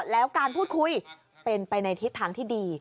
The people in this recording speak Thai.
แล้วการพูดคุยเป็นไปในทิศทางที่ดี